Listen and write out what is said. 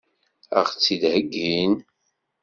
Ad ɣ-tt-id-heggin?